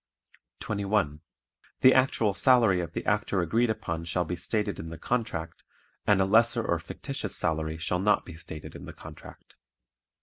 21. The actual salary of the Actor agreed upon shall be stated in the contract and a lesser or fictitious salary shall not be stated in the contract.